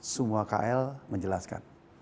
semua kl menjelaskan